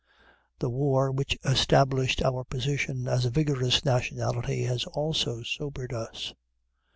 The war which established our position as a vigorous nationality has also sobered us.